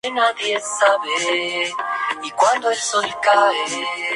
Posee un pico oscuro, y larga lista superciliar blanca.